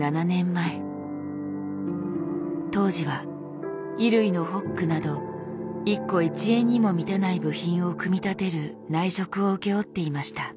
当時は衣類のホックなど１個１円にも満たない部品を組み立てる内職を請け負っていました。